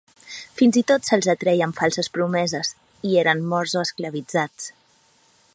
Fins i tot se’ls atreia amb falses promeses, i eren morts o esclavitzats.